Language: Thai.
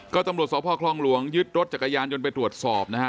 ก็ตำรวจสพคลองหลวงยึดรถจักรยานยนต์ไปตรวจสอบนะฮะ